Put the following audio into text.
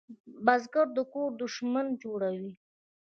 بزګر د کور شتمني جوړوي